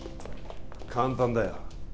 簡単だよ